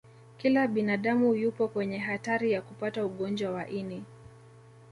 kila binadamu yupo kwenye hatari ya kupata ugonjwa wa ini